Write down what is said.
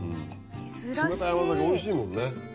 冷たい甘酒おいしいもんね。